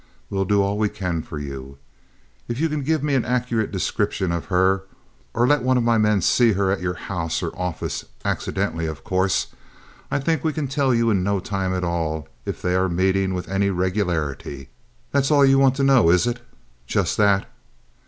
We'll do all we can for you. If you can give me an accurate description of her, or let one of my men see her at your house or office, accidentally, of course, I think we can tell you in no time at all if they are meeting with any regularity. That's all you want to know, is it—just that?"